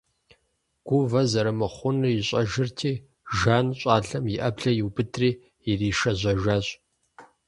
Гувэ зэрымыхъунур ищӀэжырти, Жан щӀалэм и Ӏэблэр иубыдри иришэжьэжащ.